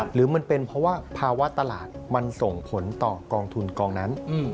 หรือมันเป็นเพราะว่าภาวะตลาดมันส่งผลต่อกองทุนกองนั้น